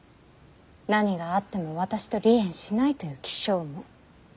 何があっても私と離縁しないという起請文。